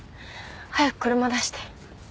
早く車出して。